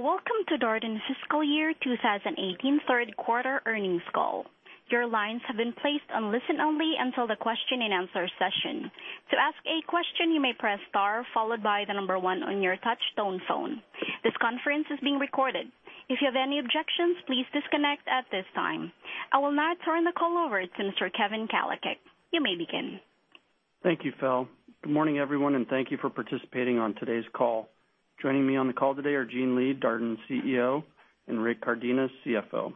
Welcome to Darden Fiscal Year 2018 third quarter earnings call. Your lines have been placed on listen-only until the question and answer session. To ask a question, you may press star followed by the number one on your touchtone phone. This conference is being recorded. If you have any objections, please disconnect at this time. I will now turn the call over to Mr. Kevin Kalicak. You may begin. Thank you, Phil. Good morning, everyone, and thank you for participating on today's call. Joining me on the call today are Gene Lee, Darden's CEO, and Rick Cardenas, CFO.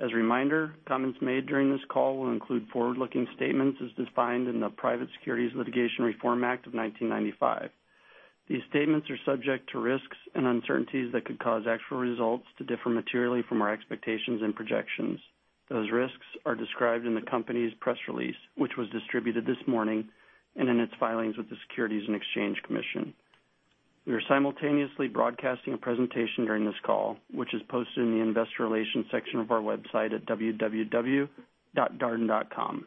As a reminder, comments made during this call will include forward-looking statements as defined in the Private Securities Litigation Reform Act of 1995. These statements are subject to risks and uncertainties that could cause actual results to differ materially from our expectations and projections. Those risks are described in the company's press release, which was distributed this morning, and in its filings with the Securities and Exchange Commission. We are simultaneously broadcasting a presentation during this call, which is posted in the investor relations section of our website at www.darden.com.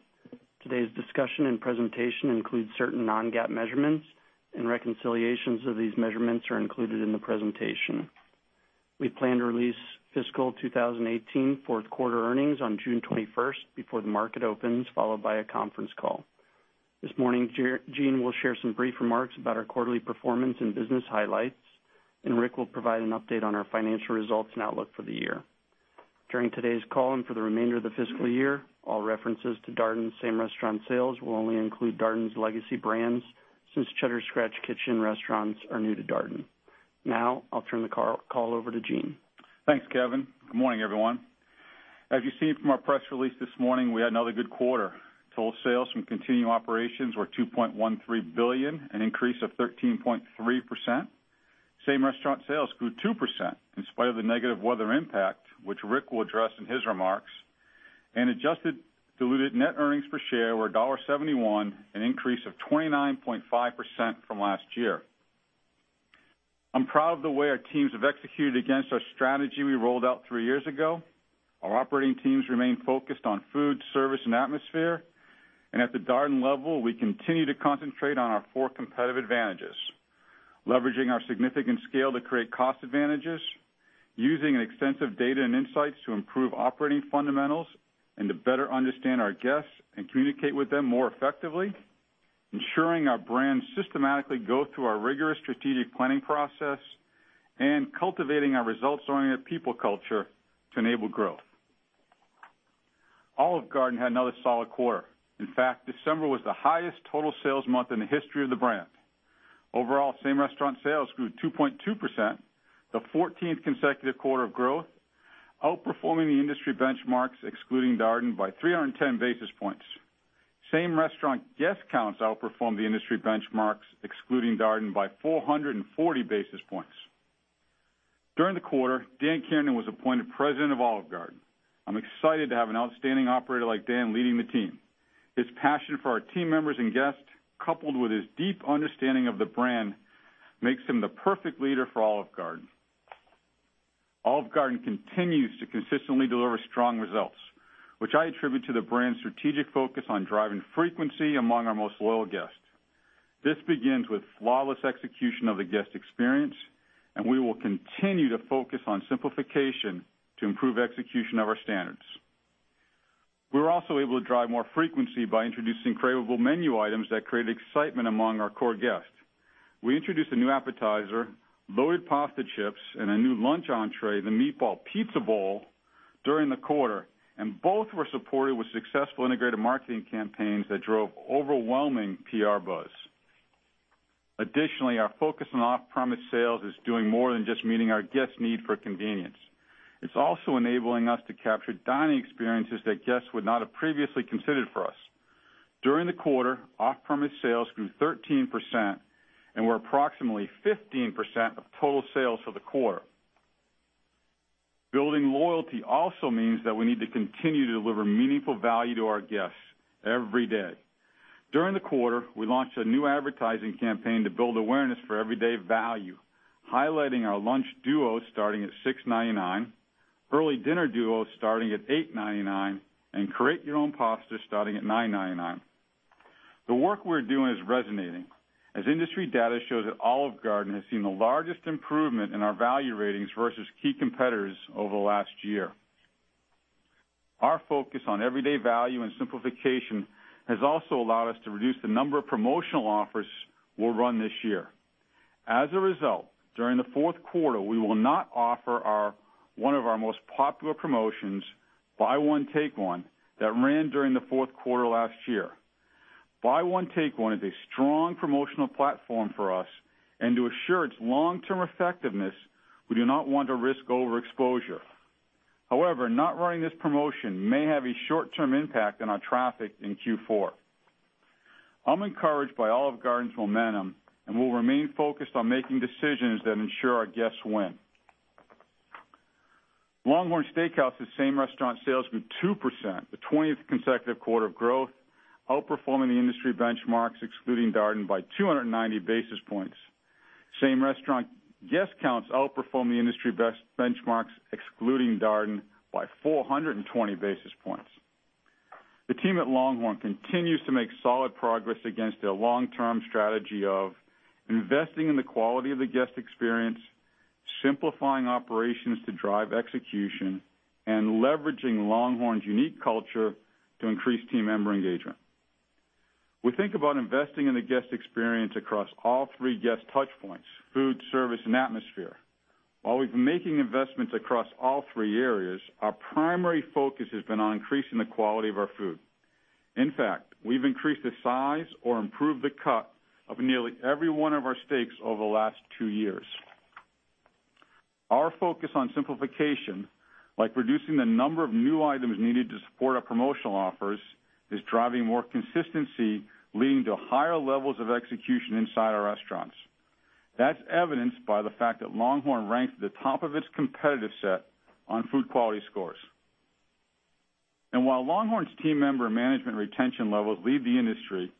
Today's discussion and presentation includes certain non-GAAP measurements, reconciliations of these measurements are included in the presentation. We plan to release fiscal 2018 fourth quarter earnings on June 21st before the market opens, followed by a conference call. This morning, Gene will share some brief remarks about our quarterly performance and business highlights, Rick will provide an update on our financial results and outlook for the year. During today's call and for the remainder of the fiscal year, all references to Darden's Same Restaurant Sales will only include Darden's legacy brands, since Cheddar's Scratch Kitchen restaurants are new to Darden. Now, I'll turn the call over to Gene. Thanks, Kevin. Good morning, everyone. As you've seen from our press release this morning, we had another good quarter. Total sales from continued operations were $2.13 billion, an increase of 13.3%. Same Restaurant Sales grew 2% in spite of the negative weather impact, which Rick will address in his remarks. Adjusted diluted net earnings per share were $1.71, an increase of 29.5% from last year. I'm proud of the way our teams have executed against our strategy we rolled out three years ago. Our operating teams remain focused on food, service, and atmosphere. We continue to concentrate on our four competitive advantages: leveraging our significant scale to create cost advantages, using extensive data and insights to improve operating fundamentals, and to better understand our guests and communicate with them more effectively, ensuring our brands systematically go through our rigorous strategic planning process, and cultivating our results-oriented people culture to enable growth. Olive Garden had another solid quarter. In fact, December was the highest total sales month in the history of the brand. Overall, same restaurant sales grew 2.2%, the 14th consecutive quarter of growth, outperforming the industry benchmarks, excluding Darden, by 310 basis points. Same restaurant guest counts outperformed the industry benchmarks, excluding Darden, by 440 basis points. During the quarter, Dan Kiernan was appointed President of Olive Garden. I'm excited to have an outstanding operator like Dan leading the team. His passion for our team members and guests, coupled with his deep understanding of the brand, makes him the perfect leader for Olive Garden. Olive Garden continues to consistently deliver strong results, which I attribute to the brand's strategic focus on driving frequency among our most loyal guests. This begins with flawless execution of the guest experience, and we will continue to focus on simplification to improve execution of our standards. We were also able to drive more frequency by introducing craveable menu items that create excitement among our core guests. We introduced a new appetizer, Loaded Pasta Chips, and a new lunch entrée, the Meatball Pizza Bowl, during the quarter, and both were supported with successful integrated marketing campaigns that drove overwhelming PR buzz. Our focus on off-premise sales is doing more than just meeting our guests' need for convenience. It's also enabling us to capture dining experiences that guests would not have previously considered for us. During the quarter, off-premise sales grew 13% and were approximately 15% of total sales for the quarter. Building loyalty also means that we need to continue to deliver meaningful value to our guests every day. During the quarter, we launched a new advertising campaign to build awareness for everyday value, highlighting our Lunch Duos starting at $6.99, Early Dinner Duos starting at $8.99, and Create Your Own Pasta starting at $9.99. The work we're doing is resonating, as industry data shows that Olive Garden has seen the largest improvement in our value ratings versus key competitors over the last year. Our focus on everyday value and simplification has also allowed us to reduce the number of promotional offers we'll run this year. During the fourth quarter, we will not offer one of our most popular promotions, Buy One, Take One, that ran during the fourth quarter last year. Buy One, Take One is a strong promotional platform for us, and to assure its long-term effectiveness, we do not want to risk overexposure. However, not running this promotion may have a short-term impact on our traffic in Q4. I'm encouraged by Olive Garden's momentum and will remain focused on making decisions that ensure our guests win. LongHorn Steakhouse's same restaurant sales grew 2%, the 20th consecutive quarter of growth, outperforming the industry benchmarks, excluding Darden, by 290 basis points. Same restaurant guest counts outperformed the industry benchmarks, excluding Darden, by 420 basis points. The team at LongHorn continues to make solid progress against their long-term strategy of investing in the quality of the guest experience, simplifying operations to drive execution, and leveraging LongHorn's unique culture to increase team member engagement. We think about investing in the guest experience across all three guest touch points, food, service, and atmosphere. While we've been making investments across all three areas, our primary focus has been on increasing the quality of our food. In fact, we've increased the size or improved the cut of nearly every one of our steaks over the last two years. Our focus on simplification, like reducing the number of new items needed to support our promotional offers, is driving more consistency, leading to higher levels of execution inside our restaurants. That's evidenced by the fact that LongHorn ranks at the top of its competitive set on food quality scores. While LongHorn's team member management retention levels lead the industry,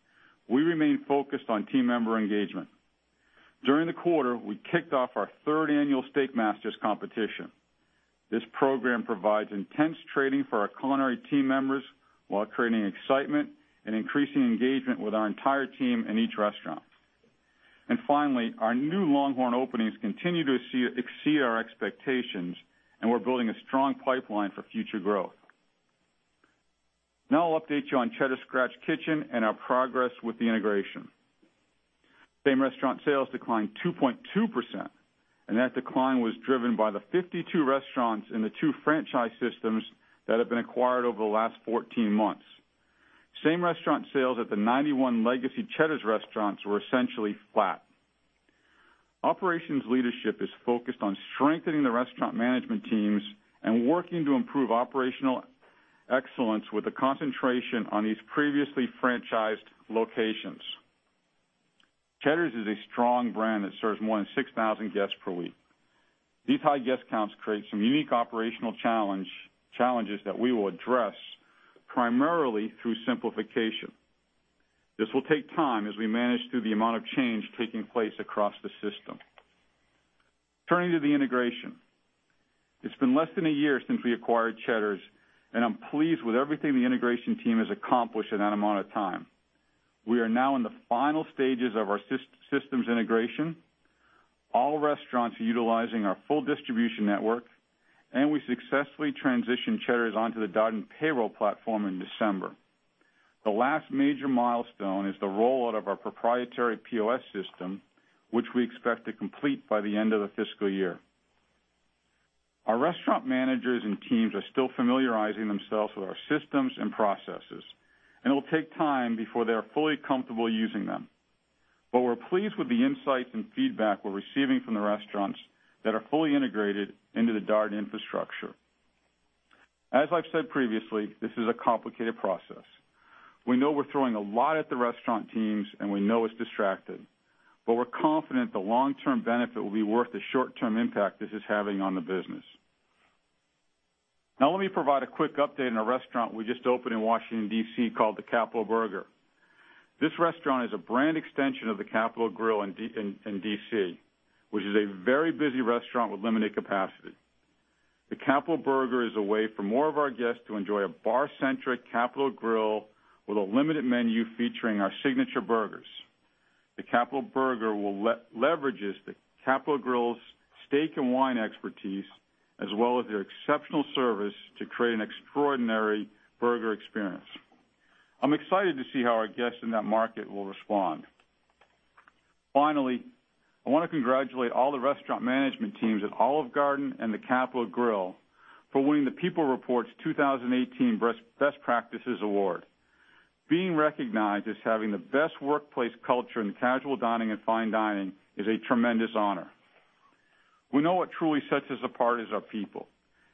we remain focused on team member engagement. During the quarter, we kicked off our third annual Steak Masters competition. This program provides intense training for our culinary team members while creating excitement and increasing engagement with our entire team in each restaurant. Finally, our new LongHorn openings continue to exceed our expectations, and we're building a strong pipeline for future growth. Now I'll update you on Cheddar's Scratch Kitchen and our progress with the integration. Same-restaurant sales declined 2.2%, and that decline was driven by the 52 restaurants in the two franchise systems that have been acquired over the last 14 months. Same-restaurant sales at the 91 legacy Cheddar's restaurants were essentially flat. Operations leadership is focused on strengthening the restaurant management teams and working to improve operational excellence with a concentration on these previously franchised locations. Cheddar's is a strong brand that serves more than 6,000 guests per week. These high guest counts create some unique operational challenges that we will address primarily through simplification. This will take time as we manage through the amount of change taking place across the system. Turning to the integration. It's been less than a year since we acquired Cheddar's, and I'm pleased with everything the integration team has accomplished in that amount of time. We are now in the final stages of our systems integration. All restaurants are utilizing our full distribution network, and we successfully transitioned Cheddar's onto the Darden payroll platform in December. The last major milestone is the rollout of our proprietary POS system, which we expect to complete by the end of the fiscal year. Our restaurant managers and teams are still familiarizing themselves with our systems and processes. It'll take time before they are fully comfortable using them. We're pleased with the insights and feedback we're receiving from the restaurants that are fully integrated into the Darden infrastructure. As I've said previously, this is a complicated process. We know we're throwing a lot at the restaurant teams. We know it's distracting. We're confident the long-term benefit will be worth the short-term impact this is having on the business. Now let me provide a quick update on a restaurant we just opened in Washington, D.C. called The Capital Burger. This restaurant is a brand extension of The Capital Grille in D.C., which is a very busy restaurant with limited capacity. The Capital Burger is a way for more of our guests to enjoy a bar-centric Capital Grille with a limited menu featuring our signature burgers. The Capital Burger will leverage The Capital Grille's steak and wine expertise as well as their exceptional service to create an extraordinary burger experience. I'm excited to see how our guests in that market will respond. Finally, I want to congratulate all the restaurant management teams at Olive Garden and The Capital Grille for winning the People Report's 2018 Best Practices Award. Being recognized as having the best workplace culture in casual dining and fine dining is a tremendous honor. We know what truly sets us apart is our people,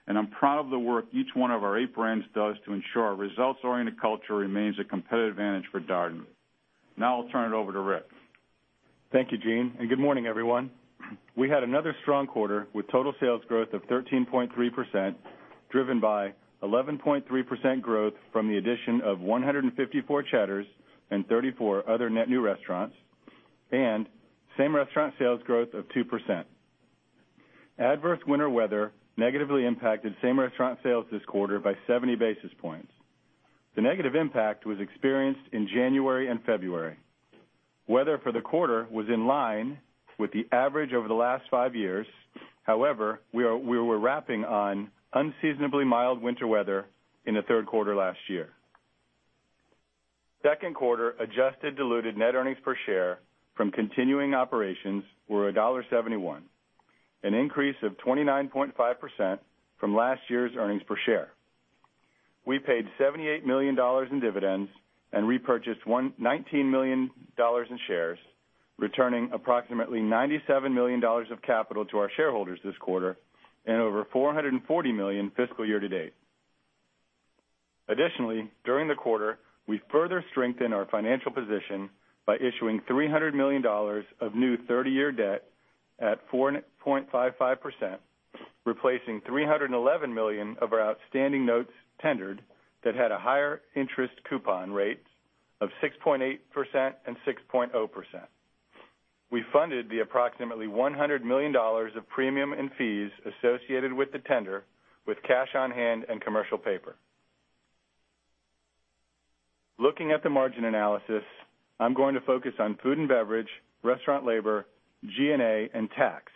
and I'm proud of the work each one of our eight brands does to ensure our results-oriented culture remains a competitive advantage for Darden. Now I'll turn it over to Rick. Thank you, Gene. Good morning, everyone. We had another strong quarter with total sales growth of 13.3%, driven by 11.3% growth from the addition of 154 Cheddar's and 34 other net new restaurants, and same-restaurant sales growth of 2%. Adverse winter weather negatively impacted same-restaurant sales this quarter by 70 basis points. The negative impact was experienced in January and February. Weather for the quarter was in line with the average over the last five years. However, we were wrapping on unseasonably mild winter weather in the third quarter last year. Second quarter adjusted diluted net earnings per share from continuing operations were $1.71, an increase of 29.5% from last year's earnings per share. We paid $78 million in dividends and repurchased $19 million in shares, returning approximately $97 million of capital to our shareholders this quarter and over $440 million fiscal year to date. Additionally, during the quarter, we further strengthened our financial position by issuing $300 million of new 30-year debt at 4.55%, replacing $311 million of our outstanding notes tendered that had a higher interest coupon rate of 6.8% and 6.0%. We funded the approximately $100 million of premium and fees associated with the tender with cash on hand and commercial paper. Looking at the margin analysis, I'm going to focus on food and beverage, restaurant labor, G&A, and tax,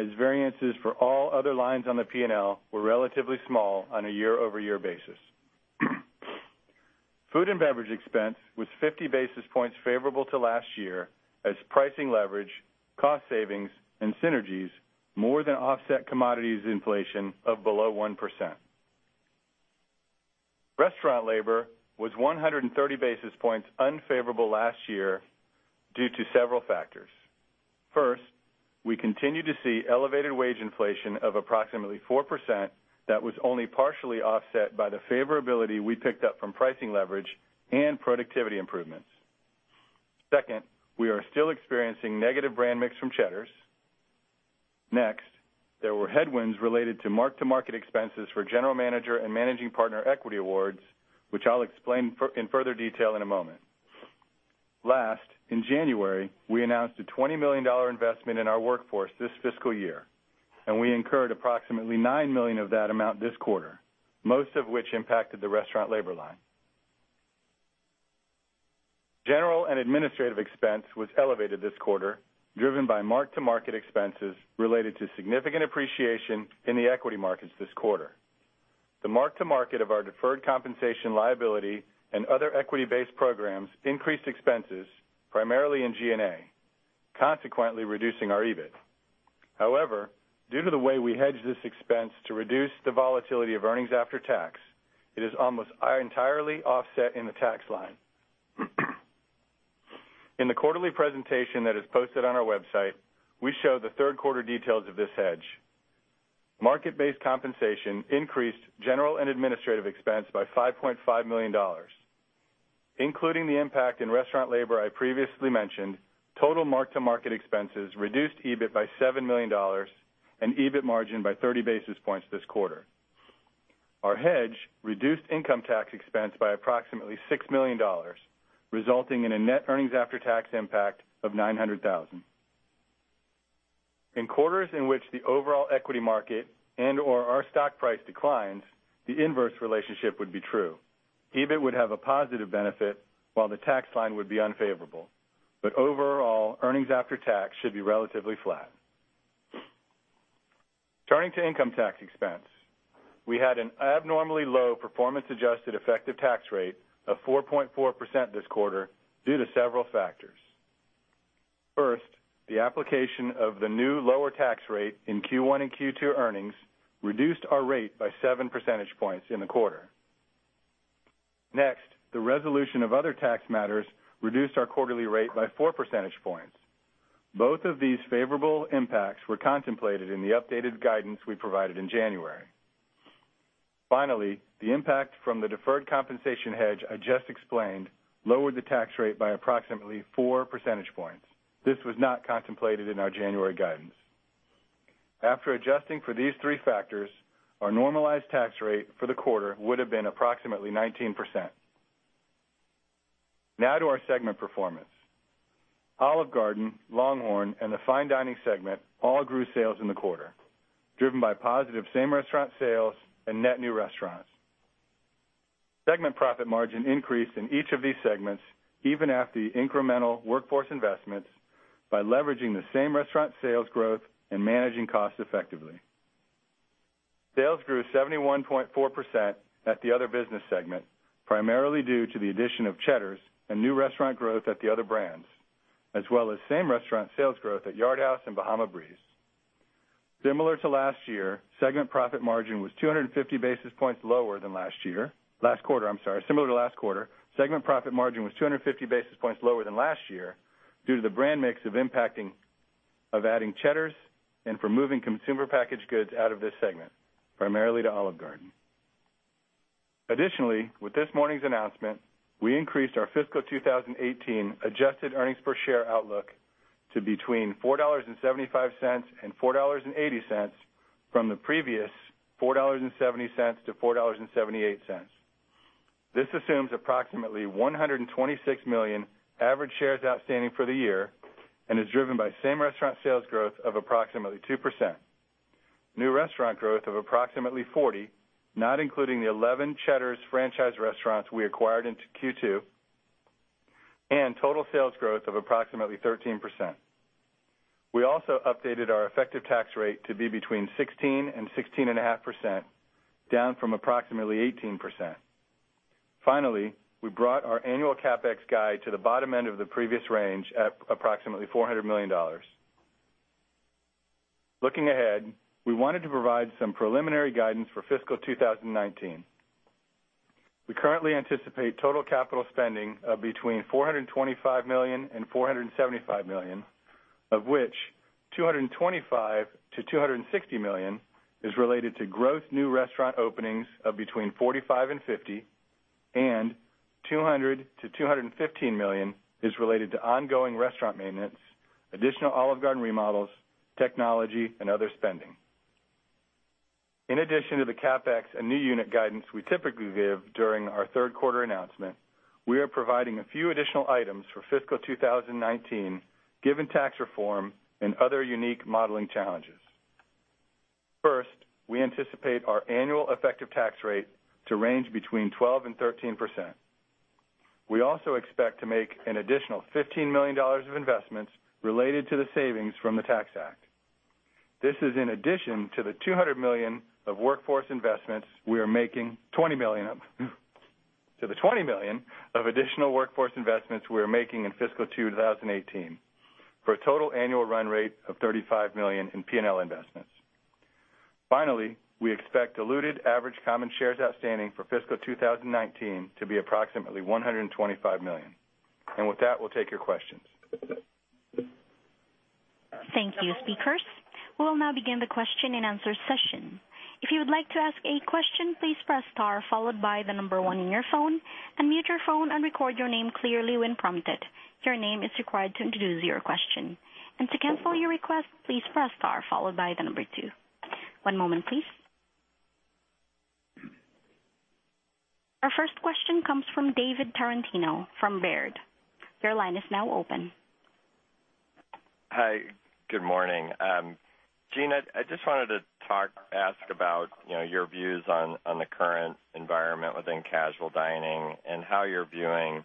as variances for all other lines on the P&L were relatively small on a year-over-year basis. Food and beverage expense was 50 basis points favorable to last year as pricing leverage, cost savings, and synergies more than offset commodities inflation of below 1%. Restaurant labor was 130 basis points unfavorable last year due to several factors. First, we continue to see elevated wage inflation of approximately 4% that was only partially offset by the favorability we picked up from pricing leverage and productivity improvements. Second, we are still experiencing negative brand mix from Cheddar's. Next, there were headwinds related to mark-to-market expenses for general manager and managing partner equity awards, which I'll explain in further detail in a moment. Last, in January, we announced a $20 million investment in our workforce this fiscal year, and we incurred approximately $9 million of that amount this quarter, most of which impacted the restaurant labor line. General and administrative expense was elevated this quarter, driven by mark-to-market expenses related to significant appreciation in the equity markets this quarter. The mark-to-market of our deferred compensation liability and other equity-based programs increased expenses, primarily in G&A, consequently reducing our EBIT. However, due to the way we hedge this expense to reduce the volatility of earnings after tax, it is almost entirely offset in the tax line. In the quarterly presentation that is posted on our website, we show the third quarter details of this hedge. Market-based compensation increased general and administrative expense by $5.5 million. Including the impact in restaurant labor I previously mentioned, total mark-to-market expenses reduced EBIT by $7 million and EBIT margin by 30 basis points this quarter. Our hedge reduced income tax expense by approximately $6 million, resulting in a net earnings after tax impact of $900,000. In quarters in which the overall equity market and/or our stock price declines, the inverse relationship would be true. EBIT would have a positive benefit while the tax line would be unfavorable. Overall, earnings after tax should be relatively flat. Turning to income tax expense, we had an abnormally low performance-adjusted effective tax rate of 4.4% this quarter due to several factors. First, the application of the new lower tax rate in Q1 and Q2 earnings reduced our rate by 7 percentage points in the quarter. Next, the resolution of other tax matters reduced our quarterly rate by 4 percentage points. Both of these favorable impacts were contemplated in the updated guidance we provided in January. Finally, the impact from the deferred compensation hedge I just explained lowered the tax rate by approximately 4 percentage points. This was not contemplated in our January guidance. After adjusting for these three factors, our normalized tax rate for the quarter would've been approximately 19%. Now to our segment performance. Olive Garden, LongHorn, and the fine dining segment all grew sales in the quarter, driven by positive same restaurant sales and net new restaurants. Segment profit margin increased in each of these segments, even after the incremental workforce investments by leveraging the same-restaurant sales growth and managing costs effectively. Sales grew 71.4% at the other business segment, primarily due to the addition of Cheddar's and new restaurant growth at the other brands, as well as same-restaurant sales growth at Yard House and Bahama Breeze. Similar to last year, segment profit margin was 250 basis points lower than last year. Last quarter, I'm sorry. Similar to last quarter, segment profit margin was 250 basis points lower than last year due to the brand mix of adding Cheddar's and for moving consumer packaged goods out of this segment, primarily to Olive Garden. Additionally, with this morning's announcement, we increased our fiscal 2018 adjusted earnings per share outlook to between $4.75-$4.80 from the previous $4.70-$4.78. This assumes approximately 126 million average shares outstanding for the year and is driven by same-restaurant sales growth of approximately 2%, new restaurant growth of approximately 40, not including the 11 Cheddar's franchise restaurants we acquired into Q2, and total sales growth of approximately 13%. We also updated our effective tax rate to be between 16%-16.5%, down from approximately 18%. Finally, we brought our annual CapEx guide to the bottom end of the previous range at approximately $400 million. Looking ahead, we wanted to provide some preliminary guidance for fiscal 2019. We currently anticipate total capital spending of between $425 million-$475 million, of which $225 million-$260 million is related to growth new restaurant openings of between 45-50, and $200 million-$215 million is related to ongoing restaurant maintenance, additional Olive Garden remodels, technology, and other spending. In addition to the CapEx and new unit guidance we typically give during our third quarter announcement, we are providing a few additional items for fiscal 2019, given tax reform and other unique modeling challenges. First, we anticipate our annual effective tax rate to range between 12% and 13%. We also expect to make an additional $15 million of investments related to the savings from the Tax Act. This is in addition to the $20 million of additional workforce investments we are making in fiscal 2018, for a total annual run rate of $35 million in P&L investments. Finally, we expect diluted average common shares outstanding for fiscal 2019 to be approximately $125 million. With that, we'll take your questions. Thank you, speakers. We will now begin the question and answer session. If you would like to ask a question, please press star followed by the number one on your phone, unmute your phone and record your name clearly when prompted. Your name is required to introduce your question. To cancel your request, please press star followed by the number two. One moment, please. Our first question comes from David Tarantino from Baird. Your line is now open. Hi. Good morning. Gene, I just wanted to ask about your views on the current environment within casual dining and how you're viewing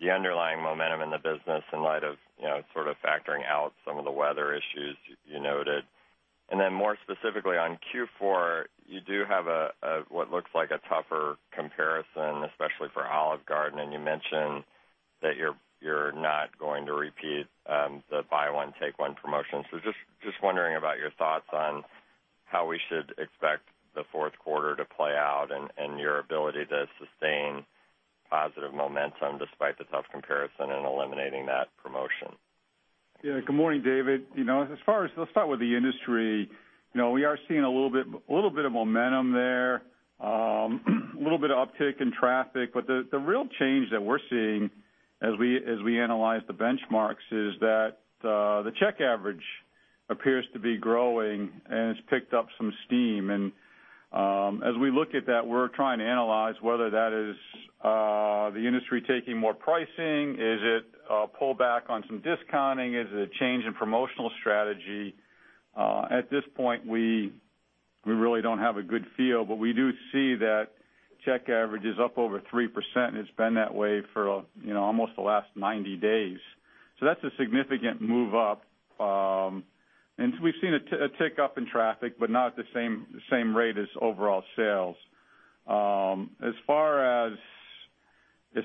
the underlying momentum in the business in light of sort of factoring out some of the weather issues you noted. Then more specifically on Q4, you do have what looks like a tougher comparison, especially for Olive Garden, and you mentioned that you're not going to repeat the Buy One, Take One promotion. Just wondering about your thoughts on how we should expect the fourth quarter to play out and your ability to sustain positive momentum despite the tough comparison and eliminating that promotion. Yeah. Good morning, David. Let's start with the industry. We are seeing a little bit of momentum there, a little bit of uptick in traffic. The real change that we're seeing as we analyze the benchmarks is that the check average appears to be growing and it's picked up some steam. As we look at that, we're trying to analyze whether that is the industry taking more pricing. Is it a pullback on some discounting? Is it a change in promotional strategy? At this point, we really don't have a good feel, but we do see that check average is up over 3%, and it's been that way for almost the last 90 days. That's a significant move up. We've seen a tick up in traffic, but not at the same rate as overall sales. As far as the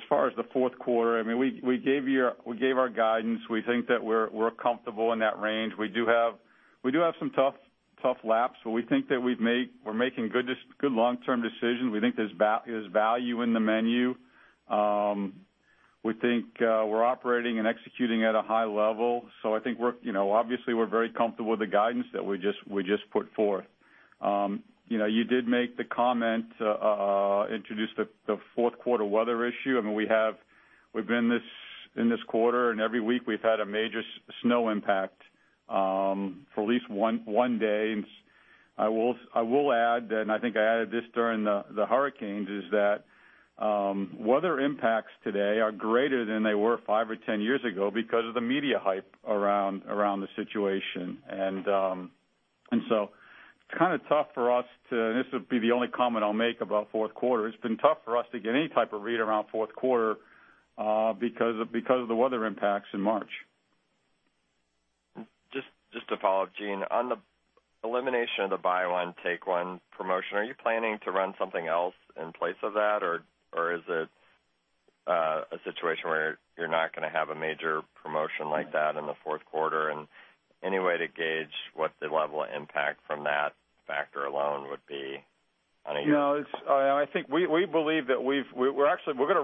fourth quarter, we gave our guidance. We think that we're comfortable in that range. We do have some tough laps, but we think that we're making good long-term decisions. We think there's value in the menu. We think we're operating and executing at a high level. I think, obviously, we're very comfortable with the guidance that we just put forth. You did make the comment, introduced the fourth quarter weather issue. We've been in this quarter, every week we've had a major snow impact for at least one day. I will add, I think I added this during the hurricanes, is that weather impacts today are greater than they were five or 10 years ago because of the media hype around the situation. It's kind of tough for us to, and this will be the only comment I'll make about fourth quarter. It's been tough for us to get any type of read around fourth quarter because of the weather impacts in March. Just to follow, Gene, on the elimination of the Buy One, Take One promotion, are you planning to run something else in place of that, or is it a situation where you're not going to have a major promotion like that in the fourth quarter? Any way to gauge what the level of impact from that factor alone would be on a year- No. We're going to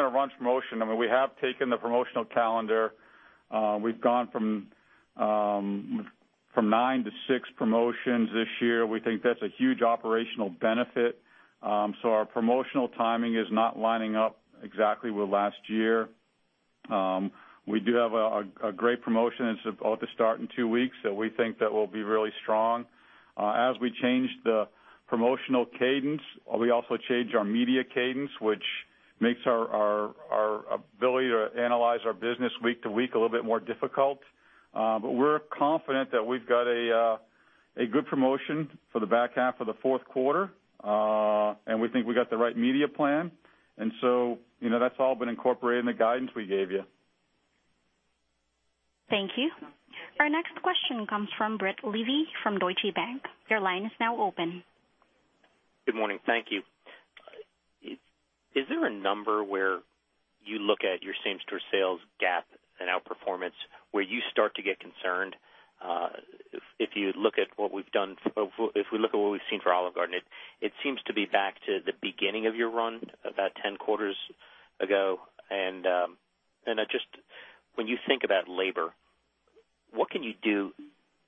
run promotion. We have taken the promotional calendar. We've gone from nine to six promotions this year. We think that's a huge operational benefit. Our promotional timing is not lining up exactly with last year. We do have a great promotion. It's about to start in two weeks. We think that will be really strong. As we change the promotional cadence, we also change our media cadence, which makes our ability to analyze our business week to week a little bit more difficult. We're confident that we've got a good promotion for the back half of the fourth quarter. We think we got the right media plan. That's all been incorporated in the guidance we gave you. Thank you. Our next question comes from Brett Levy from Deutsche Bank. Your line is now open. Good morning. Thank you. Is there a number where you look at your same-store sales gap and outperformance where you start to get concerned? If we look at what we've seen for Olive Garden, it seems to be back to the beginning of your run about 10 quarters ago. Just when you think about labor, what can you do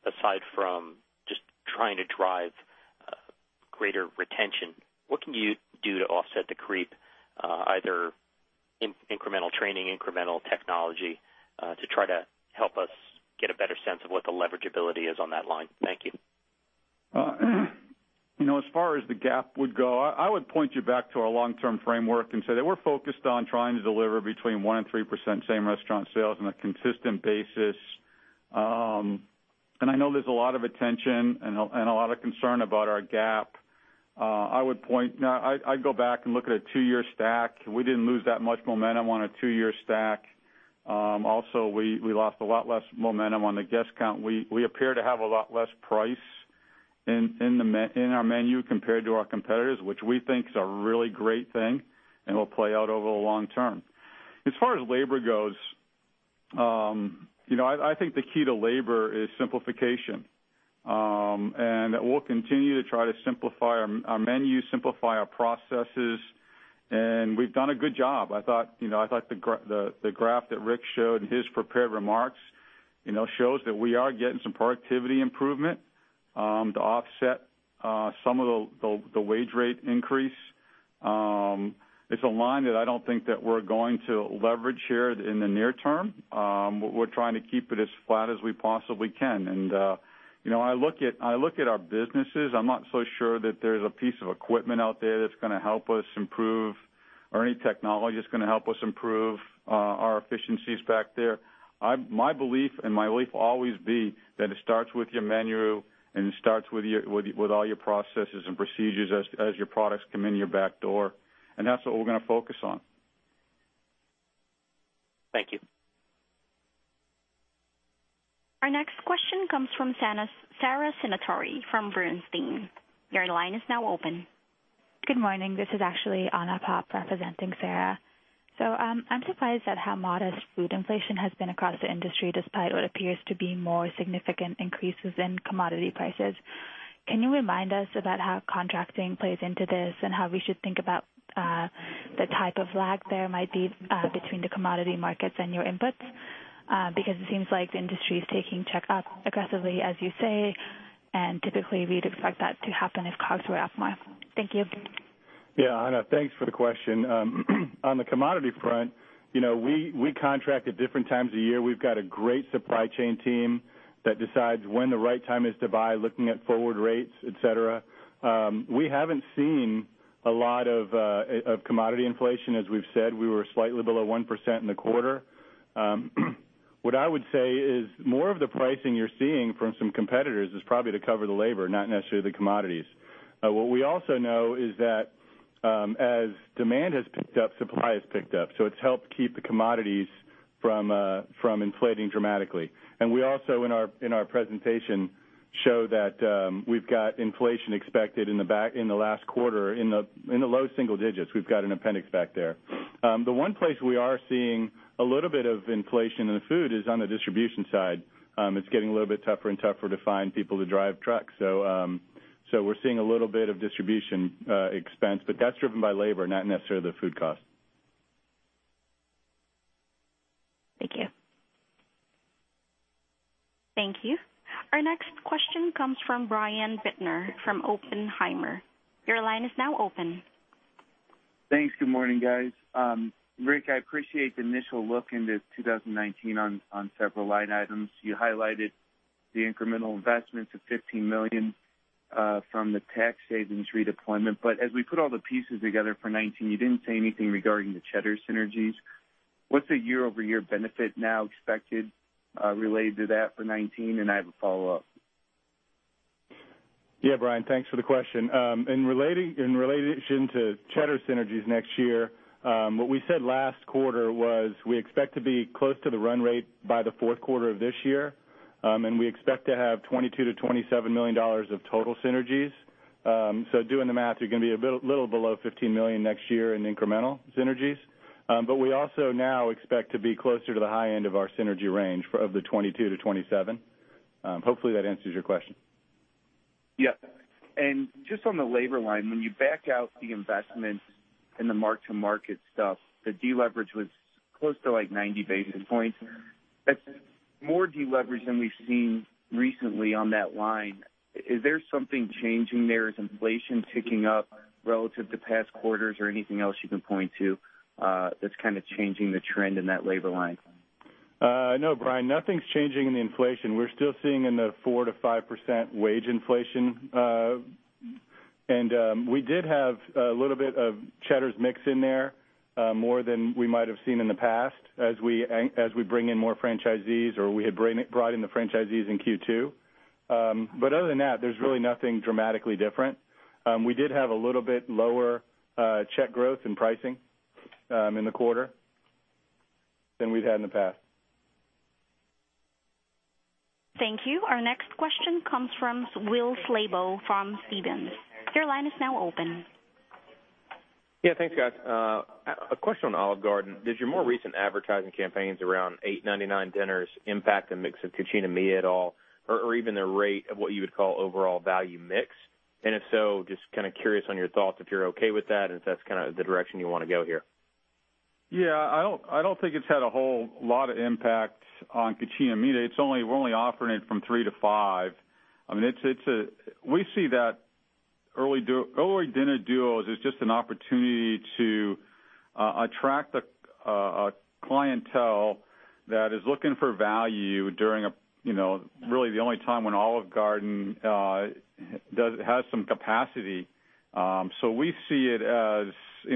aside from just trying to drive greater retention? What can you do to offset the creep, either incremental training, incremental technology, to try to help us get a better sense of what the leverage ability is on that line. Thank you. As far as the gap would go, I would point you back to our long-term framework and say that we're focused on trying to deliver between 1% and 3% same-restaurant sales on a consistent basis. I know there's a lot of attention and a lot of concern about our gap. I'd go back and look at a two-year stack. We didn't lose that much momentum on a two-year stack. Also, we lost a lot less momentum on the guest count. We appear to have a lot less price in our menu compared to our competitors, which we think is a really great thing and will play out over the long term. As far as labor goes, I think the key to labor is simplification. We'll continue to try to simplify our menu, simplify our processes, and we've done a good job. I thought the graph that Rick showed in his prepared remarks shows that we are getting some productivity improvement, to offset some of the wage rate increase. It's a line that I don't think that we're going to leverage here in the near term. We're trying to keep it as flat as we possibly can. I look at our businesses. I'm not so sure that there's a piece of equipment out there that's going to help us improve or any technology that's going to help us improve our efficiencies back there. My belief will always be that it starts with your menu and it starts with all your processes and procedures as your products come in your back door. That's what we're going to focus on. Thank you. Our next question comes from Sara Senatore from Bernstein. Your line is now open. Good morning. This is actually Anna Pop representing Sara. I'm surprised at how modest food inflation has been across the industry, despite what appears to be more significant increases in commodity prices. Can you remind us about how contracting plays into this and how we should think about the type of lag there might be between the commodity markets and your inputs? It seems like the industry is taking check up aggressively, as you say, and typically, we'd expect that to happen if COGS were up more. Thank you. Anna, thanks for the question. On the commodity front, we contract at different times of year. We've got a great supply chain team that decides when the right time is to buy, looking at forward rates, et cetera. We haven't seen a lot of commodity inflation, as we've said. We were slightly below 1% in the quarter. What I would say is more of the pricing you're seeing from some competitors is probably to cover the labor, not necessarily the commodities. We also know is that as demand has picked up, supply has picked up, it's helped keep the commodities from inflating dramatically. We also in our presentation show that we've got inflation expected in the last quarter in the low single digits. We've got an appendix back there. The one place we are seeing a little bit of inflation in the food is on the distribution side. It's getting a little bit tougher and tougher to find people to drive trucks. We're seeing a little bit of distribution expense, but that's driven by labor, not necessarily the food cost. Thank you. Thank you. Our next question comes from Brian Bittner from Oppenheimer. Your line is now open. Thanks. Good morning, guys. Rick, I appreciate the initial look into 2019 on several line items. You highlighted the incremental investments of $15 million from the tax savings redeployment. As we put all the pieces together for 2019, you didn't say anything regarding the Cheddar's synergies. What's the year-over-year benefit now expected related to that for 2019? I have a follow-up. Brian, thanks for the question. What we said last quarter was we expect to be close to the run rate by the fourth quarter of this year. We expect to have $22 million to $27 million of total synergies. Doing the math, you're going to be a little below $15 million next year in incremental synergies. We also now expect to be closer to the high end of our synergy range of the $22 million to $27 million. Hopefully that answers your question. Just on the labor line, when you back out the investment in the mark to market stuff, the deleverage was close to like 90 basis points. That's more deleverage than we've seen recently on that line. Is there something changing there? Is inflation ticking up relative to past quarters or anything else you can point to that's kind of changing the trend in that labor line? No, Brian, nothing's changing in the inflation. We're still seeing in the 4%-5% wage inflation. We did have a little bit of Cheddar's mix in there, more than we might have seen in the past as we bring in more franchisees, or we had brought in the franchisees in Q2. Other than that, there's really nothing dramatically different. We did have a little bit lower check growth in pricing in the quarter than we've had in the past. Thank you. Our next question comes from Will Slabaugh from Stephens. Your line is now open. Yeah, thanks, guys. A question on Olive Garden. Does your more recent advertising campaigns around $8.99 dinners impact the mix of Cucina Mia at all, or even the rate of what you would call overall value mix? If so, just kind of curious on your thoughts if you're okay with that and if that's kind of the direction you want to go here. Yeah, I don't think it's had a whole lot of impact on Cucina Mia. We're only offering it from 3 to 5. We see that Early Dinner Duos is just an opportunity to attract a clientele that is looking for value during really the only time when Olive Garden has some capacity. We see it as,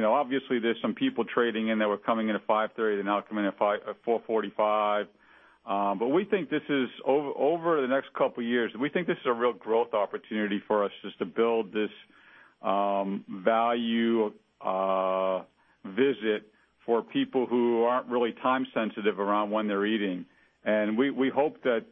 obviously, there's some people trading in that were coming in at 5:30, they're now coming in at 4:45. We think over the next couple of years, this is a real growth opportunity for us, just to build this value visit for people who aren't really time sensitive around when they're eating. We hope that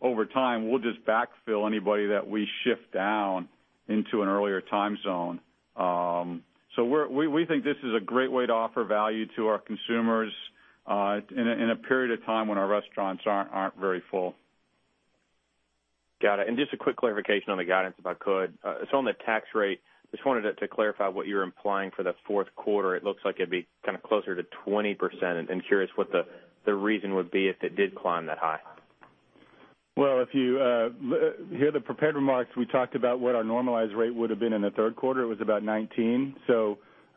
over time, we'll just backfill anybody that we shift down into an earlier time zone. We think this is a great way to offer value to our consumers in a period of time when our restaurants aren't very full. Got it. Just a quick clarification on the guidance, if I could. It's on the tax rate. Just wanted to clarify what you're implying for the fourth quarter. It looks like it'd be kind of closer to 20%, curious what the reason would be if it did climb that high. Well, if you hear the prepared remarks, we talked about what our normalized rate would've been in the third quarter. It was about 19.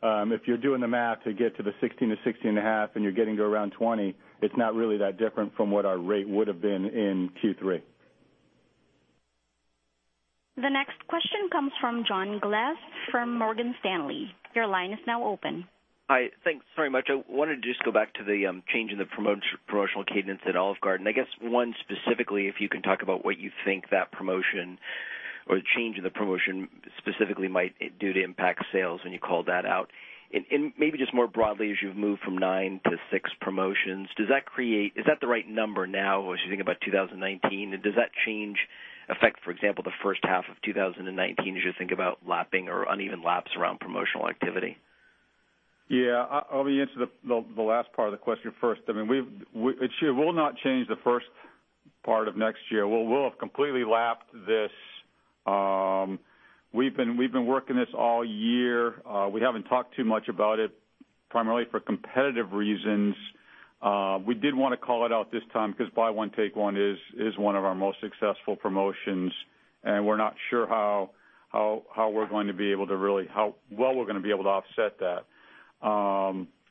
If you're doing the math to get to the 16 to 16 and a half, and you're getting to around 20, it's not really that different from what our rate would've been in Q3. The next question comes from John Glass from Morgan Stanley. Your line is now open. Hi. Thanks very much. I wanted to just go back to the change in the promotional cadence at Olive Garden. I guess one, specifically, if you can talk about what you think that promotion or the change in the promotion specifically might do to impact sales when you called that out. Maybe just more broadly, as you've moved from nine to six promotions, is that the right number now as you think about 2019, and does that change affect, for example, the first half of 2019 as you think about lapping or uneven laps around promotional activity? Yeah. Let me answer the last part of the question first. It will not change the first part of next year. We'll have completely lapped this. We've been working this all year. We haven't talked too much about it, primarily for competitive reasons. We did want to call it out this time because Buy One, Take One is one of our most successful promotions, and we're not sure how well we're going to be able to offset that.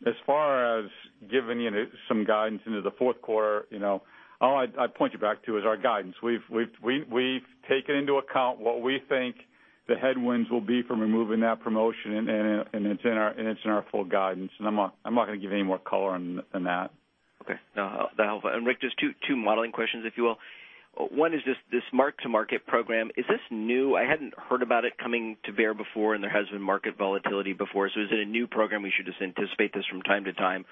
As far as giving you some guidance into the fourth quarter, all I'd point you back to is our guidance. We've taken into account what we think the headwinds will be from removing that promotion, and it's in our full guidance, and I'm not going to give any more color than that. Okay. No, that'll help. Rick, just two modeling questions, if you will. One is this market-to-market program. Is this new? I hadn't heard about it coming to bear before, and there has been market volatility before. Is it a new program, we should just anticipate this from time to time,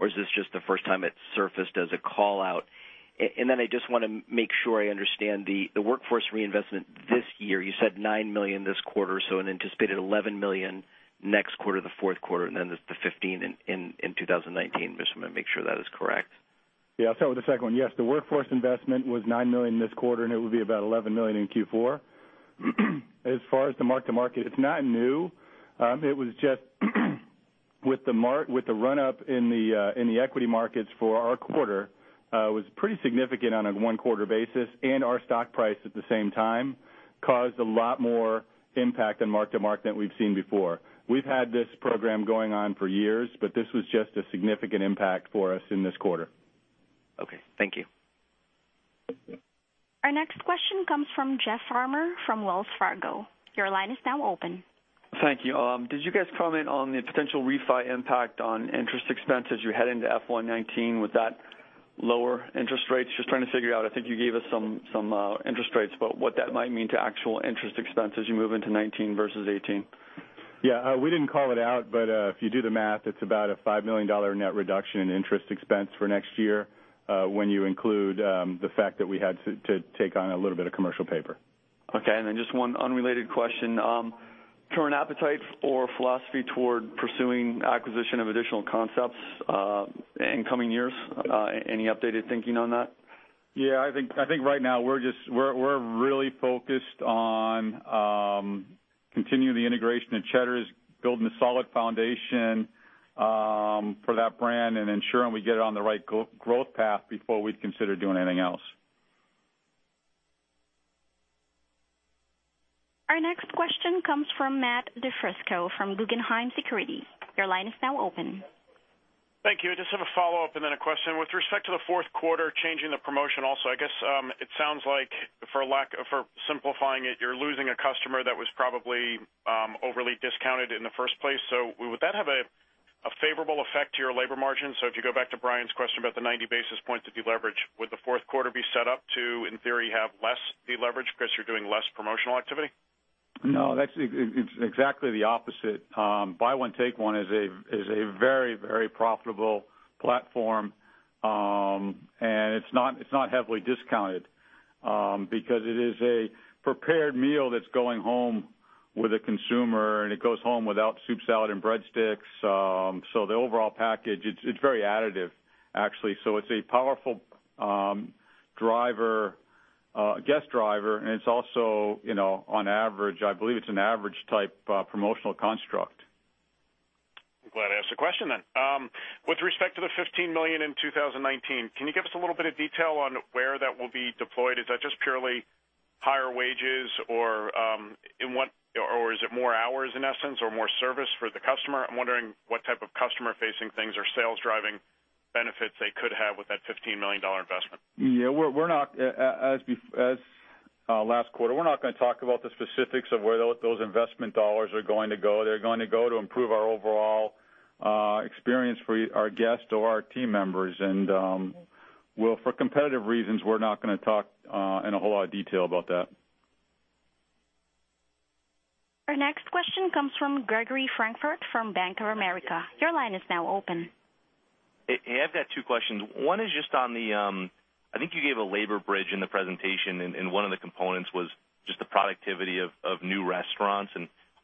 or is this just the first time it's surfaced as a call-out? I just want to make sure I understand the workforce reinvestment this year. You said $9 million this quarter, an anticipated $11 million next quarter, the fourth quarter, and then the $15 million in 2019. Just want to make sure that is correct. Yeah. I'll start with the second one. Yes, the workforce investment was $9 million this quarter, and it will be about $11 million in Q4. As far as the market-to-market, it's not new. It was just with the run-up in the equity markets for our quarter, was pretty significant on a one-quarter basis, and our stock price at the same time caused a lot more impact on market-to-market than we've seen before. We've had this program going on for years, but this was just a significant impact for us in this quarter. Okay. Thank you. Our next question comes from Jeff Farmer from Wells Fargo. Your line is now open. Thank you. Did you guys comment on the potential refi impact on interest expense as you head into FY 2019 with that lower interest rates? Just trying to figure out, I think you gave us some interest rates, but what that might mean to actual interest expense as you move into 2019 versus 2018. Yeah. We didn't call it out, but if you do the math, it's about a $5 million net reduction in interest expense for next year, when you include the fact that we had to take on a little bit of commercial paper. Okay. Just one unrelated question. Current appetite or philosophy toward pursuing acquisition of additional concepts in coming years? Any updated thinking on that? Yeah, I think right now we're really focused on continuing the integration of Cheddar's, building a solid foundation for that brand, and ensuring we get it on the right growth path before we'd consider doing anything else. Our next question comes from Matt DiFrisco from Guggenheim Securities. Your line is now open. Thank you. I just have a follow-up and then a question. With respect to the fourth quarter, changing the promotion also, I guess it sounds like, for simplifying it, you're losing a customer that was probably overly discounted in the first place. Would that have a favorable effect to your labor margin? If you go back to Brian's question about the 90 basis points of deleverage, would the fourth quarter be set up to, in theory, have less deleverage because you're doing less promotional activity? No. That's exactly the opposite. Buy One, Take One is a very profitable platform. It's not heavily discounted, because it is a prepared meal that's going home with a consumer, and it goes home without soup, salad, and breadsticks. The overall package, it's very additive, actually. It's a powerful guest driver, and it's also, on average, I believe it's an average type promotional construct. I'm glad to ask the question then. With respect to the $15 million in 2019, can you give us a little bit of detail on where that will be deployed? Is that just purely higher wages or is it more hours in essence or more service for the customer? I'm wondering what type of customer-facing things or sales-driving benefits they could have with that $15 million investment. Yeah. As last quarter, we're not going to talk about the specifics of where those investment dollars are going to go. They're going to go to improve our overall experience for our guests or our team members. Well, for competitive reasons, we're not going to talk in a whole lot of detail about that. Our next question comes from Gregory Francfort from Bank of America. Your line is now open. Hey, I've got two questions. One is just on the, I think you gave a labor bridge in the presentation, and one of the components was just the productivity of new restaurants.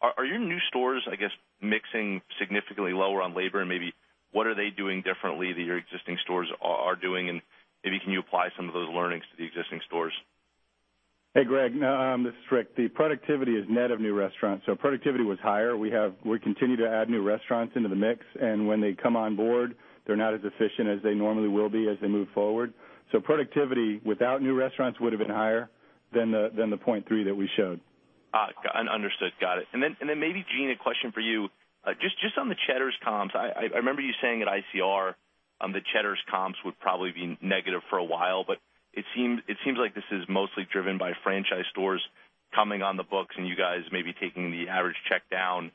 Are your new stores, I guess, mixing significantly lower on labor? Maybe what are they doing differently that your existing stores are doing? Maybe can you apply some of those learnings to the existing stores? Hey, Greg, this is Rick. The productivity is net of new restaurants, so productivity was higher. We continue to add new restaurants into the mix, and when they come on board, they're not as efficient as they normally will be as they move forward. Productivity without new restaurants would have been higher than the 0.3 that we showed. Understood. Got it. Then maybe, Gene, a question for you. Just on the Cheddar's comps, I remember you saying at ICR the Cheddar's comps would probably be negative for a while, but it seems like this is mostly driven by franchise stores coming on the books and you guys maybe taking the average check down.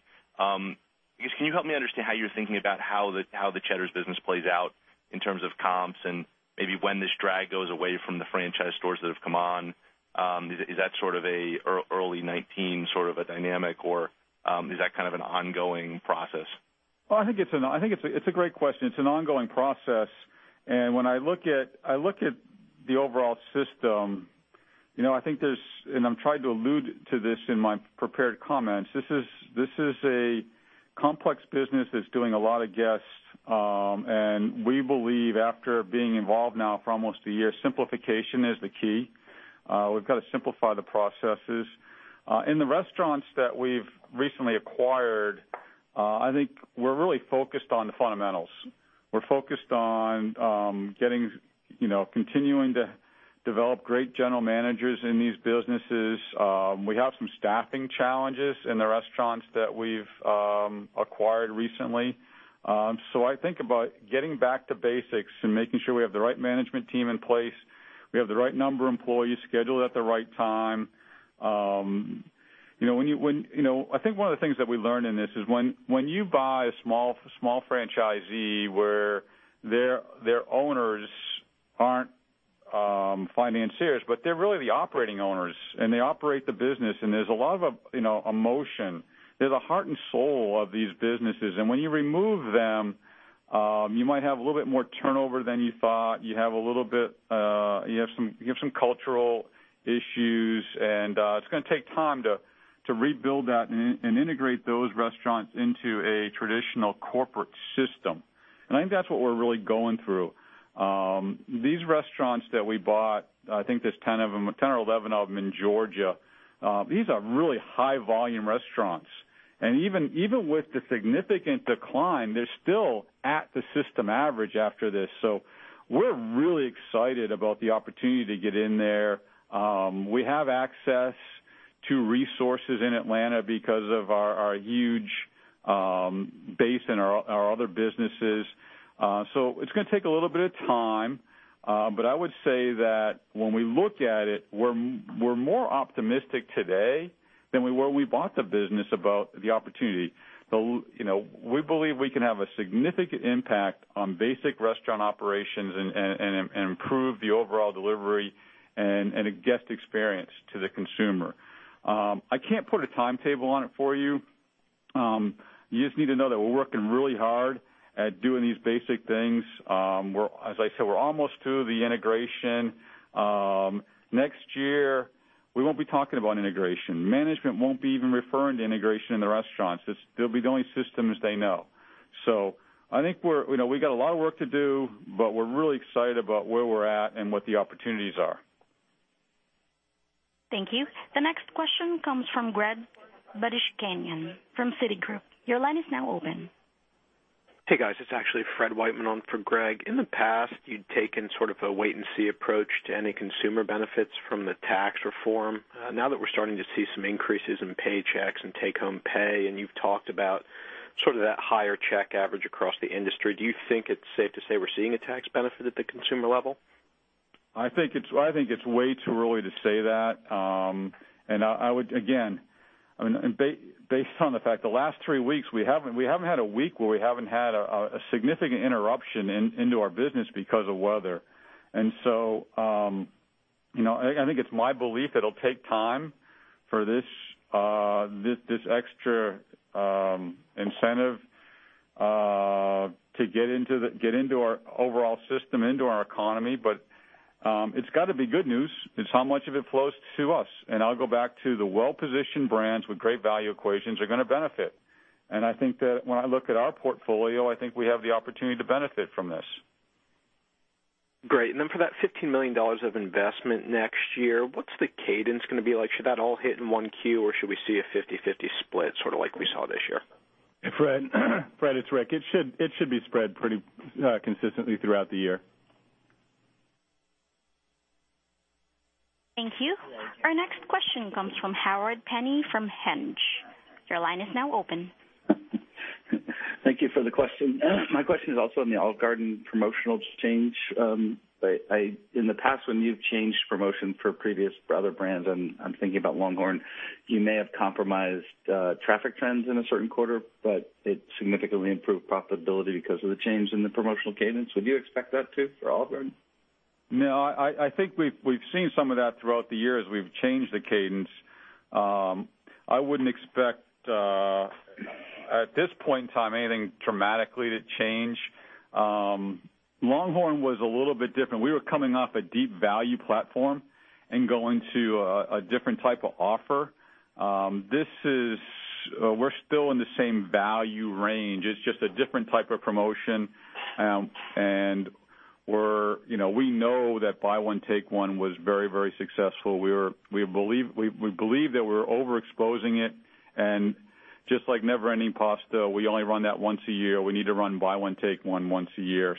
Can you help me understand how you're thinking about how the Cheddar's business plays out in terms of comps and maybe when this drag goes away from the franchise stores that have come on? Is that sort of early 2019 sort of a dynamic or is that kind of an ongoing process? Well, I think it's a great question. It's an ongoing process. When I look at the overall system, I think there's, and I'm trying to allude to this in my prepared comments, this is a complex business that's doing a lot of guests. We believe after being involved now for almost a year, simplification is the key. We've got to simplify the processes. In the restaurants that we've recently acquired, I think we're really focused on the fundamentals. We're focused on continuing to develop great general managers in these businesses. We have some staffing challenges in the restaurants that we've acquired recently. I think about getting back to basics and making sure we have the right management team in place, we have the right number of employees scheduled at the right time. I think one of the things that we learned in this is when you buy a small franchisee where their owners aren't financiers, but they're really the operating owners, and they operate the business, and there's a lot of emotion. They're the heart and soul of these businesses. When you remove them, you might have a little bit more turnover than you thought. You have some cultural issues, and it's going to take time to rebuild that and integrate those restaurants into a traditional corporate system. I think that's what we're really going through. These restaurants that we bought, I think there's 10 or 11 of them in Georgia. These are really high volume restaurants. Even with the significant decline, they're still at the system average after this. We're really excited about the opportunity to get in there. We have access to resources in Atlanta because of our huge base in our other businesses. It's going to take a little bit of time. I would say that when we look at it, we're more optimistic today than we were when we bought the business about the opportunity. We believe we can have a significant impact on basic restaurant operations and improve the overall delivery and guest experience to the consumer. I can't put a timetable on it for you. You just need to know that we're working really hard at doing these basic things. As I said, we're almost through the integration. Next year, we won't be talking about integration. Management won't be even referring to integration in the restaurants. They'll be the only systems they know. I think we got a lot of work to do, but we're really excited about where we're at and what the opportunities are. Thank you. The next question comes from Greg Badishkanian from Citigroup. Your line is now open. Hey, guys. It's actually Fred Whiteman on for Greg. In the past, you'd taken sort of a wait-and-see approach to any consumer benefits from the tax reform. Now that we're starting to see some increases in paychecks and take-home pay, and you've talked about sort of that higher check average across the industry, do you think it's safe to say we're seeing a tax benefit at the consumer level? I think it's way too early to say that. I would, again, based on the fact the last three weeks, we haven't had a week where we haven't had a significant interruption into our business because of weather. I think it's my belief it'll take time for this extra incentive to get into our overall system, into our economy. It's got to be good news. It's how much of it flows to us. I'll go back to the well-positioned brands with great value equations are going to benefit. I think that when I look at our portfolio, I think we have the opportunity to benefit from this. Great. For that $15 million of investment next year, what's the cadence going to be like? Should that all hit in one Q, or should we see a 50/50 split, sort of like we saw this year? Fred, it's Rick. It should be spread pretty consistently throughout the year. Thank you. Our next question comes from Howard Penney from Hedgeye. Your line is now open. Thank you for the question. My question is also on the Olive Garden promotional change. In the past, when you've changed promotion for previous other brands, I'm thinking about LongHorn, you may have compromised traffic trends in a certain quarter, but it significantly improved profitability because of the change in the promotional cadence. Would you expect that, too, for Olive Garden? No, I think we've seen some of that throughout the year as we've changed the cadence. I wouldn't expect, at this point in time, anything dramatically to change. LongHorn was a little bit different. We were coming off a deep value platform and going to a different type of offer. We're still in the same value range. It's just a different type of promotion. We know that Buy One, Take One was very successful. We believe that we're overexposing it, and just like Never Ending Pasta, we only run that once a year. We need to run Buy One, Take One once a year.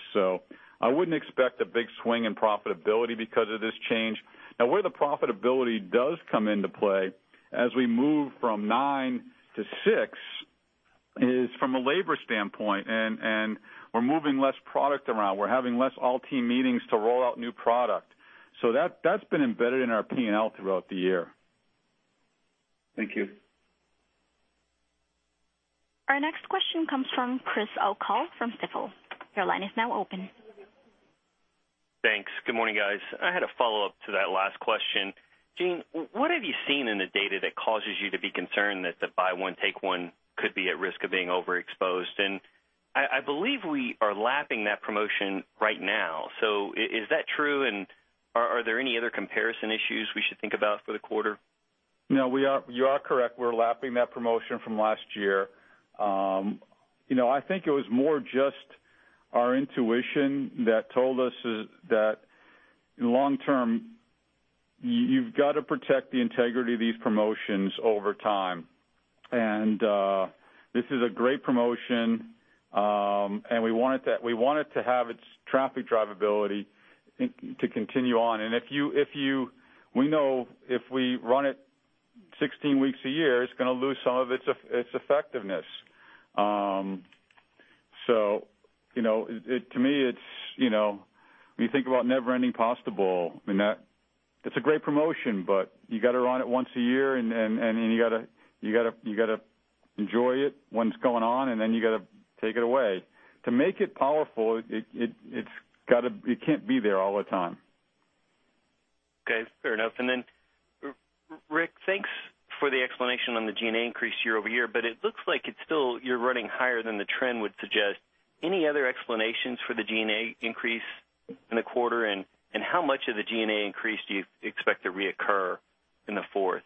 I wouldn't expect a big swing in profitability because of this change. Now, where the profitability does come into play, as we move from nine to six, is from a labor standpoint, and we're moving less product around. We're having less all-team meetings to roll out new product. That's been embedded in our P&L throughout the year. Thank you. Our next question comes from Chris O'Cull from Stifel. Your line is now open. Thanks. Good morning, guys. I had a follow-up to that last question. Gene, what have you seen in the data that causes you to be concerned that the Buy One, Take One could be at risk of being overexposed? I believe we are lapping that promotion right now. Is that true, and are there any other comparison issues we should think about for the quarter? No, you are correct. We're lapping that promotion from last year. I think it was more just our intuition that told us that long term, you've got to protect the integrity of these promotions over time. This is a great promotion, and we want it to have its traffic drivability to continue on. We know if we run it 16 weeks a year, it's going to lose some of its effectiveness. To me, when you think about Never Ending Pasta Bowl, it's a great promotion, but you got to run it once a year, and you got to enjoy it when it's going on, and then you got to take it away. To make it powerful, it can't be there all the time. Okay, fair enough. Rick, thanks for the explanation on the G&A increase year-over-year, but it looks like you're running higher than the trend would suggest. Any other explanations for the G&A increase in the quarter, and how much of the G&A increase do you expect to reoccur in the fourth?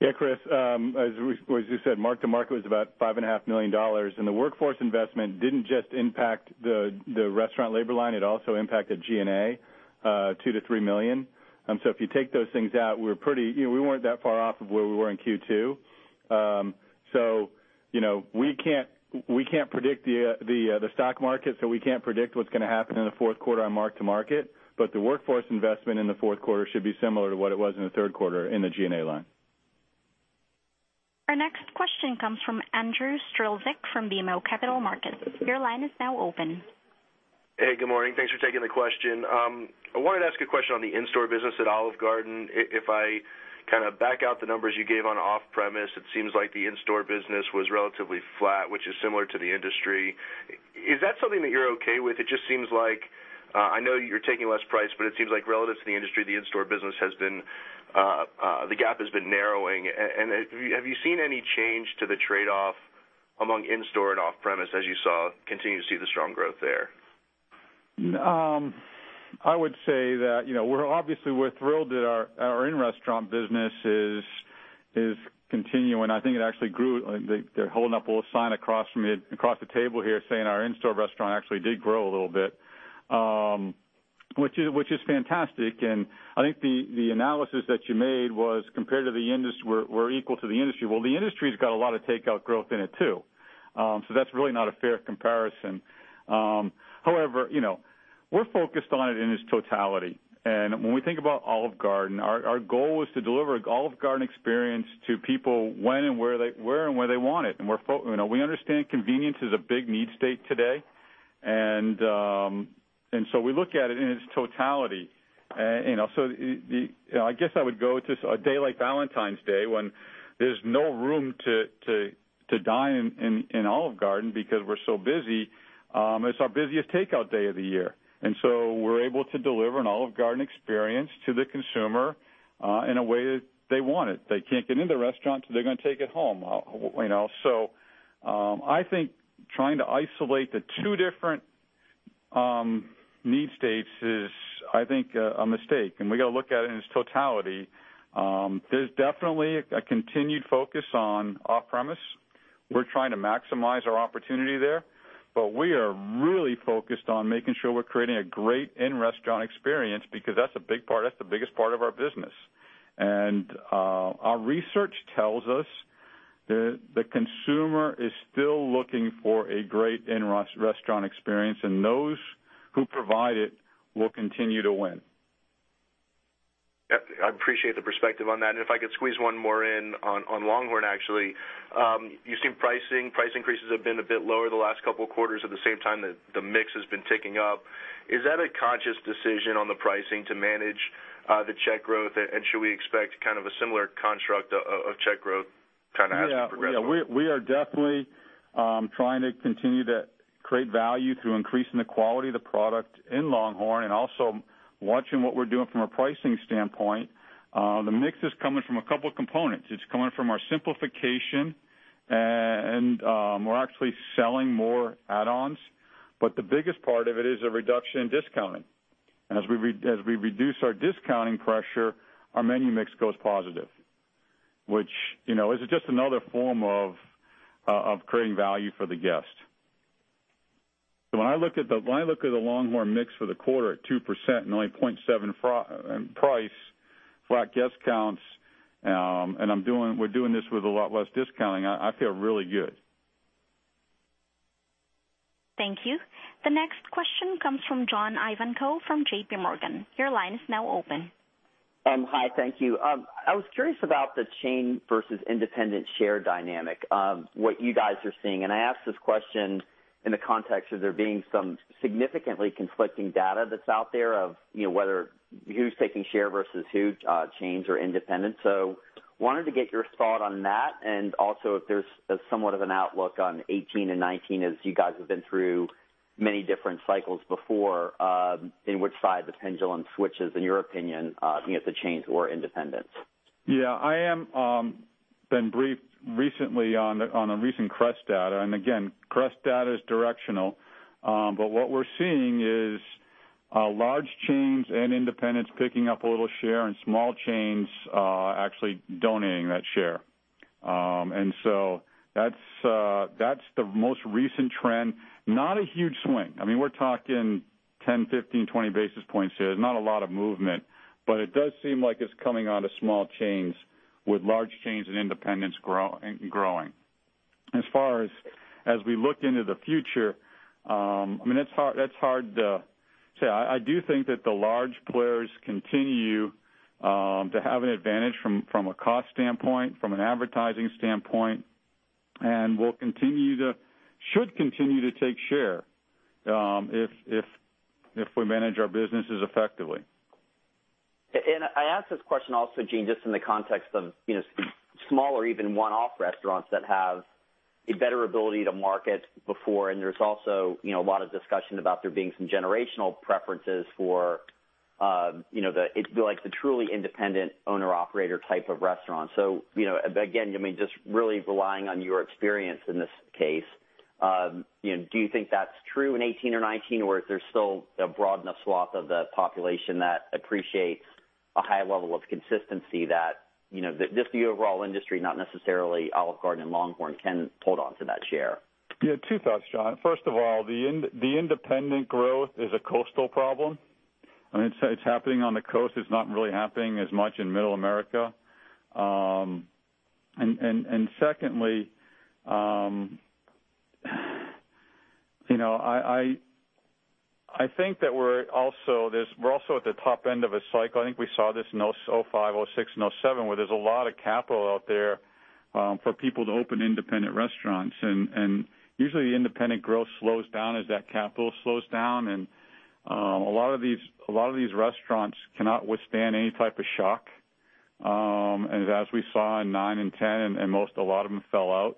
Yeah, Chris, as you said, mark to market was about $5.5 million. The workforce investment didn't just impact the restaurant labor line, it also impacted G&A, $2 million-$3 million. If you take those things out, we weren't that far off of where we were in Q2. We can't predict the stock market, we can't predict what's going to happen in the fourth quarter on mark to market. The workforce investment in the fourth quarter should be similar to what it was in the third quarter in the G&A line. Our next question comes from Andrew Strelzik from BMO Capital Markets. Your line is now open. Hey, good morning. Thanks for taking the question. I wanted to ask a question on the in-store business at Olive Garden. If I kind of back out the numbers you gave on off-premise, it seems like the in-store business was relatively flat, which is similar to the industry. Is that something that you're okay with? I know you're taking less price, but it seems like relative to the industry, the gap has been narrowing. Have you seen any change to the trade-off among in-store and off-premise as you continue to see the strong growth there? I would say that, obviously, we're thrilled that our in-restaurant business is continuing. I think it actually grew. They're holding up a little sign across the table here saying our in-store restaurant actually did grow a little bit. Which is fantastic. I think the analysis that you made was we're equal to the industry. Well, the industry's got a lot of takeout growth in it, too. That's really not a fair comparison. However, we're focused on it in its totality. When we think about Olive Garden, our goal is to deliver an Olive Garden experience to people when and where they want it. We understand convenience is a big need state today. We look at it in its totality. I guess I would go to a day like Valentine's Day when there's no room to dine in Olive Garden because we're so busy. It's our busiest takeout day of the year. We're able to deliver an Olive Garden experience to the consumer in a way that they want it. They can't get into the restaurant, so they're going to take it home. I think trying to isolate the two different need states is, I think, a mistake, and we got to look at it in its totality. There's definitely a continued focus on off-premise. We're trying to maximize our opportunity there, but we are really focused on making sure we're creating a great in-restaurant experience because that's the biggest part of our business. Our research tells us that the consumer is still looking for a great in-restaurant experience, and those who provide it will continue to win. Yep, I appreciate the perspective on that. If I could squeeze one more in on LongHorn actually. You've seen price increases have been a bit lower the last couple of quarters at the same time that the mix has been ticking up. Is that a conscious decision on the pricing to manage the check growth? Should we expect kind of a similar construct of check growth kind of as we progress? Yeah, we are definitely trying to continue to create value through increasing the quality of the product in LongHorn and also watching what we're doing from a pricing standpoint. The mix is coming from a couple of components. It's coming from our simplification, and we're actually selling more add-ons. The biggest part of it is a reduction in discounting. As we reduce our discounting pressure, our menu mix goes positive, which is just another form of creating value for the guest. When I look at the LongHorn mix for the quarter at 2% and only 0.7 price, flat guest counts, and we're doing this with a lot less discounting, I feel really good. Thank you. The next question comes from John Ivankoe from JPMorgan. Your line is now open. Hi, thank you. I was curious about the chain versus independent share dynamic, what you guys are seeing. I ask this question in the context of there being some significantly conflicting data that's out there of who's taking share versus who, chains or independents. Wanted to get your thought on that and also if there's somewhat of an outlook on 2018 and 2019 as you guys have been through many different cycles before, in which side the pendulum switches in your opinion, being it the chains or independents. I am been briefed recently on a recent CREST data. Again, CREST data is directional. What we're seeing is large chains and independents picking up a little share and small chains actually donating that share. So that's the most recent trend. Not a huge swing. I mean, we're talking 10, 15, 20 basis points here. There's not a lot of movement, but it does seem like it's coming out of small chains with large chains and independents growing. As far as we look into the future, that's hard to say. I do think that the large players continue to have an advantage from a cost standpoint, from an advertising standpoint, and should continue to take share if we manage our businesses effectively. I ask this question also, Gene, just in the context of smaller, even one-off restaurants that have a better ability to market before. There's also a lot of discussion about there being some generational preferences for the truly independent owner/operator type of restaurant. Again, just really relying on your experience in this case, do you think that's true in 2018 or 2019, or is there still a broad enough swath of the population that appreciates a high level of consistency that, just the overall industry, not necessarily Olive Garden and LongHorn, can hold onto that share? Two thoughts, John. First of all, the independent growth is a coastal problem. It's happening on the coast. It's not really happening as much in Middle America. Secondly, I think that we're also at the top end of a cycle. I think we saw this in 2005, 2006, and 2007, where there's a lot of capital out there for people to open independent restaurants. Usually, independent growth slows down as that capital slows down. A lot of these restaurants cannot withstand any type of shock. As we saw in 2009 and 2010, a lot of them fell out.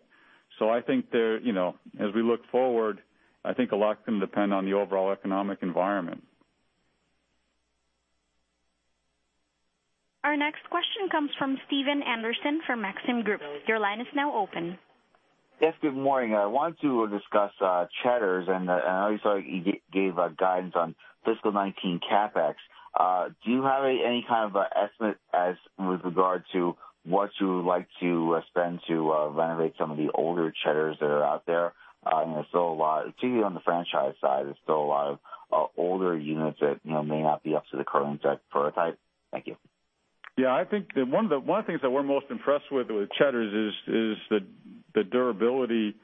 I think as we look forward, I think a lot is going to depend on the overall economic environment. Our next question comes from Stephen Anderson from Maxim Group. Your line is now open. Yes, good morning. I want to discuss Cheddar's, I know you gave guidance on fiscal 2019 CapEx. Do you have any kind of an estimate as with regard to what you would like to spend to renovate some of the older Cheddar's that are out there? Particularly on the franchise side, there's still a lot of older units that may not be up to the current prototype. Thank you. Yeah, I think one of the things that we're most impressed with with Cheddar's is the durability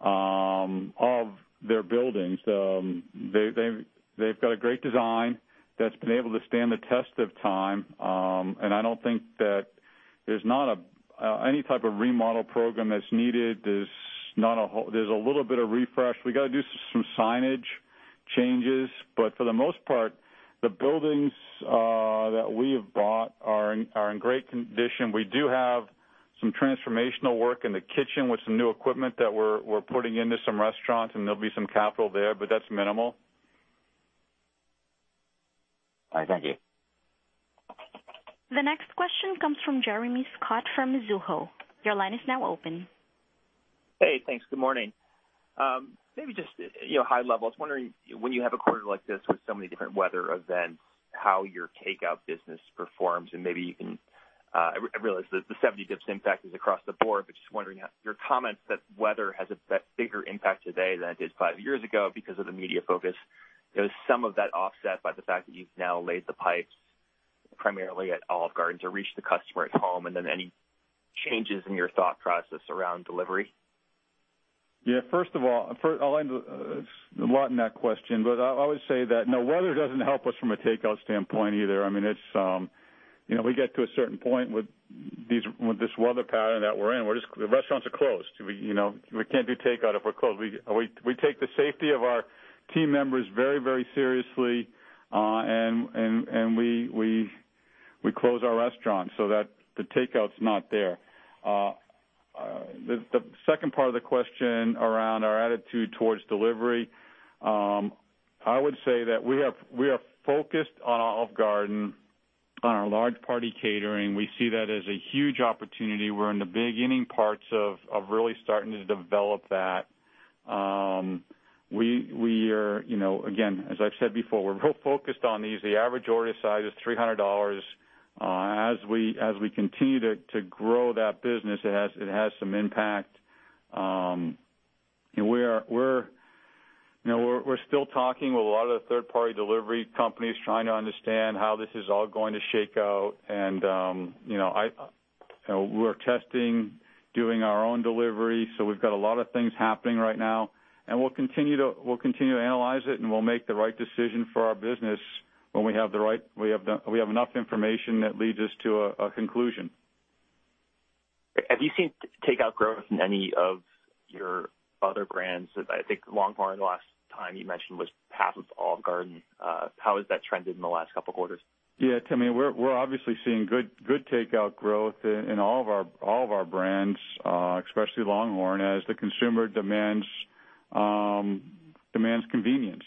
of their buildings. They've got a great design that's been able to stand the test of time. I don't think that there's any type of remodel program that's needed. There's a little bit of refresh. We got to do some signage changes, but for the most part, the buildings that we have bought are in great condition. We do have some transformational work in the kitchen with some new equipment that we're putting into some restaurants, and there'll be some capital there, but that's minimal. All right, thank you. The next question comes from Jeremy Scott from Mizuho. Your line is now open. Hey, thanks. Good morning. Maybe just high level. I was wondering, when you have a quarter like this with so many different weather events, how your takeout business performs. I realize that the 70 basis points impact is across the board, but just wondering, your comment that weather has a bigger impact today than it did 5 years ago because of the media focus. Is some of that offset by the fact that you've now laid the pipes primarily at Olive Garden to reach the customer at home, and then any changes in your thought process around delivery? Yeah. First of all, I'll end a lot in that question, but I always say that, no, weather doesn't help us from a takeout standpoint either. We get to a certain point with this weather pattern that we're in, the restaurants are closed. We can't do takeout if we're closed. We take the safety of our team members very seriously, and we close our restaurants, so that the takeout's not there. The second part of the question around our attitude towards delivery. I would say that we are focused on Olive Garden, on our large party catering. We see that as a huge opportunity. We're in the beginning parts of really starting to develop that. Again, as I've said before, we're real focused on these. The average order size is $300. As we continue to grow that business, it has some impact. We're still talking with a lot of the third-party delivery companies trying to understand how this is all going to shake out. We're testing doing our own delivery. We've got a lot of things happening right now, and we'll continue to analyze it, and we'll make the right decision for our business when we have enough information that leads us to a conclusion. Have you seen takeout growth in any of your other brands? I think LongHorn the last time you mentioned was half of Olive Garden. How has that trended in the last couple of quarters? Tim, we're obviously seeing good takeout growth in all of our brands, especially LongHorn, as the consumer demands convenience.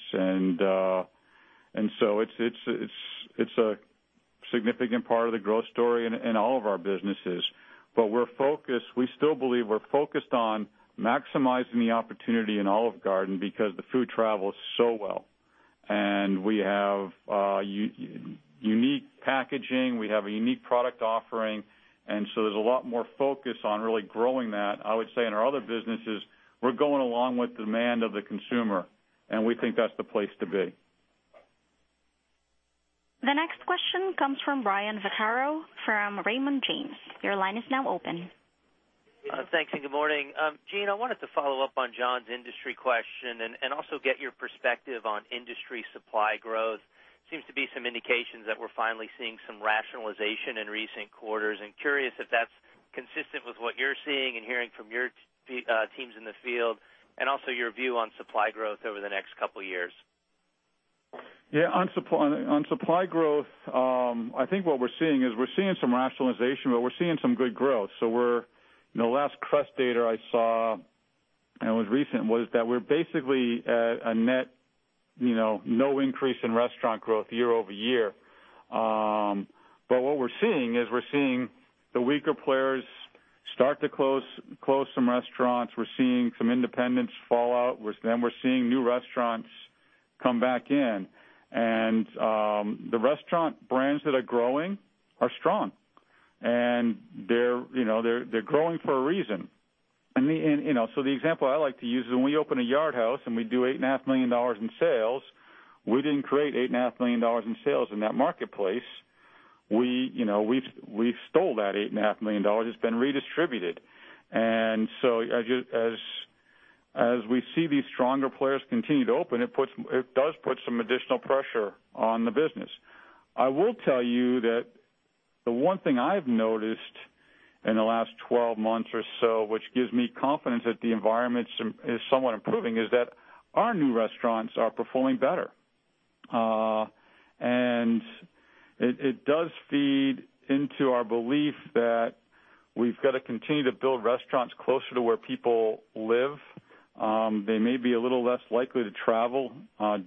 It's a significant part of the growth story in all of our businesses. We still believe we're focused on maximizing the opportunity in Olive Garden because the food travels so well. We have unique packaging, we have a unique product offering, there's a lot more focus on really growing that. I would say in our other businesses, we're going along with demand of the consumer, and we think that's the place to be. The next question comes from Brian Vaccaro from Raymond James. Your line is now open. Thanks, and good morning. Gene, I wanted to follow up on John's industry question and also get your perspective on industry supply growth. Seems to be some indications that we're finally seeing some rationalization in recent quarters. I'm curious if that's consistent with what you're seeing and hearing from your teams in the field, and also your view on supply growth over the next couple of years. Yeah. On supply growth, I think what we're seeing is we're seeing some rationalization, we're seeing some good growth. The last CREST data I saw, and it was recent, was that we're basically at a net no increase in restaurant growth year-over-year. What we're seeing is we're seeing the weaker players start to close some restaurants. We're seeing some independents fall out. We're seeing new restaurants come back in. The restaurant brands that are growing are strong, and they're growing for a reason. The example I like to use is when we open a Yard House and we do $8.5 million in sales, we didn't create $8.5 million in sales in that marketplace. We stole that $8.5 million. It's been redistributed. As we see these stronger players continue to open, it does put some additional pressure on the business. I will tell you that the one thing I've noticed in the last 12 months or so, which gives me confidence that the environment is somewhat improving, is that our new restaurants are performing better. It does feed into our belief that we've got to continue to build restaurants closer to where people live. They may be a little less likely to travel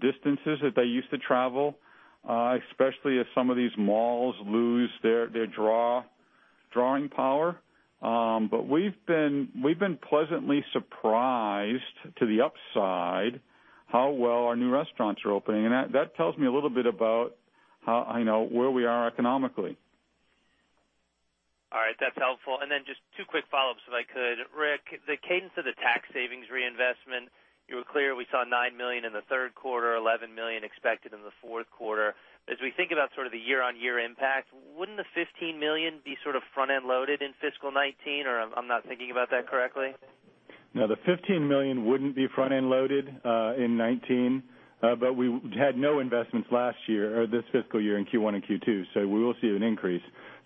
distances that they used to travel, especially if some of these malls lose their drawing power. We've been pleasantly surprised to the upside how well our new restaurants are opening, That tells me a little bit about where we are economically. All right. That's helpful. Then just two quick follow-ups, if I could. Rick, the cadence of the tax savings reinvestment, you were clear we saw $9 million in the third quarter, $11 million expected in the fourth quarter. We think about sort of the year-over-year impact, wouldn't the $15 million be sort of front-end loaded in fiscal 2019, I'm not thinking about that correctly? No, the $15 million wouldn't be front-end loaded in 2019, We had no investments last year or this fiscal year in Q1 and Q2, We will see an increase.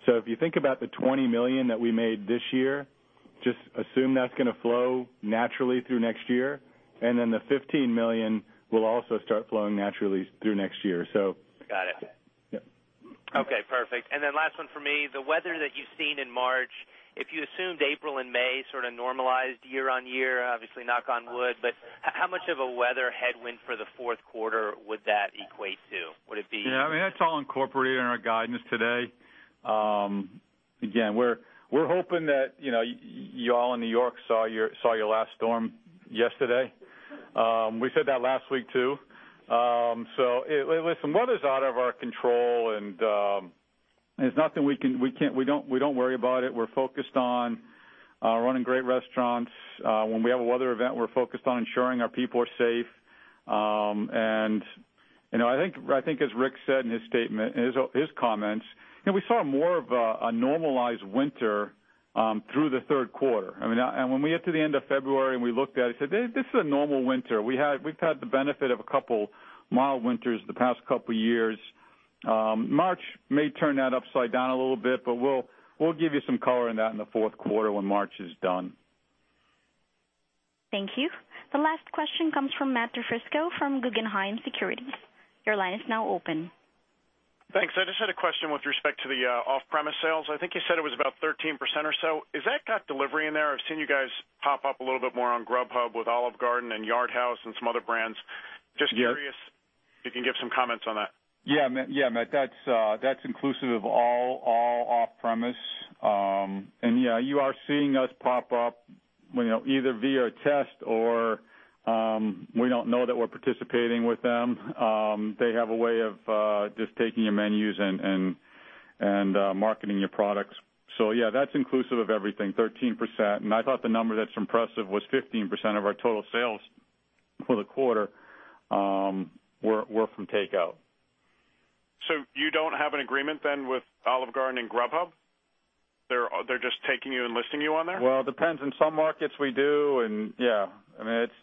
If you think about the $20 million that we made this year, just assume that's going to flow naturally through next year, Then the $15 million will also start flowing naturally through next year. Got it. Yep. Okay, perfect. Last one for me. The weather that you've seen in March, if you assumed April and May sort of normalized year-over-year, obviously knock on wood, but how much of a weather headwind for the fourth quarter would that equate to? Would it be. Yeah, that's all incorporated in our guidance today. Again, we're hoping that you all in New York saw your last storm yesterday. We said that last week, too. Listen, we don't worry about it. We're focused on running great restaurants. When we have a weather event, we're focused on ensuring our people are safe. I think as Rick said in his statement, in his comments, we saw more of a normalized winter through the third quarter. When we get to the end of February and we looked at it, said, "This is a normal winter." We've had the benefit of a couple mild winters the past couple years. March may turn that upside down a little bit, but we'll give you some color on that in the fourth quarter when March is done. Thank you. The last question comes from Matt DiFrisco from Guggenheim Securities. Your line is now open. Thanks. I just had a question with respect to the off-premise sales. I think you said it was about 13% or so. Has that got delivery in there? I've seen you guys pop up a little bit more on Grubhub with Olive Garden and Yard House and some other brands. Yes. Just curious if you can give some comments on that. Yeah, Matt, that's inclusive of all off-premise. Yeah, you are seeing us pop up either via a test or we don't know that we're participating with them. They have a way of just taking your menus and marketing your products. Yeah, that's inclusive of everything, 13%. I thought the number that's impressive was 15% of our total sales for the quarter were from takeout. You don't have an agreement then with Olive Garden and Grubhub? They're just taking you and listing you on there? Well, it depends. In some markets we do, yeah.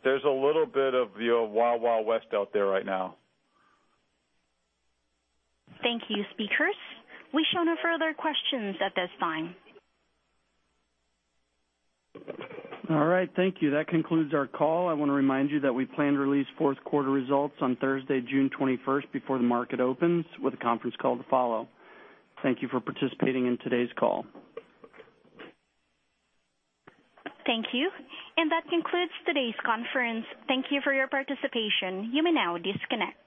There's a little bit of your wild west out there right now. Thank you, speakers. We show no further questions at this time. All right, thank you. That concludes our call. I want to remind you that we plan to release fourth quarter results on Thursday, June 21st, before the market opens with a conference call to follow. Thank you for participating in today's call. Thank you. That concludes today's conference. Thank you for your participation. You may now disconnect.